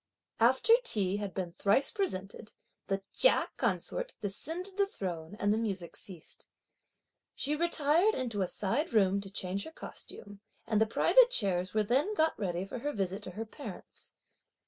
After tea had been thrice presented, the Chia consort descended the Throne, and the music ceased. She retired into a side room to change her costume, and the private chairs were then got ready for her visit to her parents.